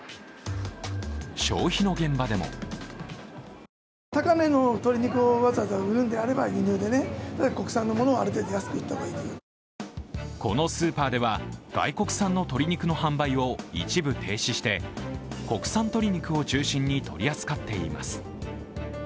消費の現場でもこのスーパーでは外国産の鶏肉を販売を一部停止して国産鶏肉を中心に取り扱っています。